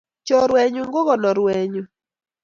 Choruenyu ko konoruet nyu